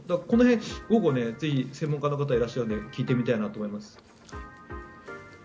この辺、午後ぜひ専門家の方がいらっしゃるので聞いてみたいなと思います。